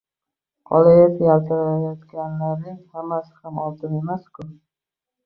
Qolaversa, yaltirayotganlarning hammasi ham oltin emas-ku